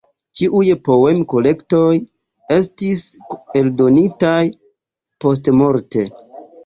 Ĉiuj poem-kolektoj estis eldonitaj postmorte.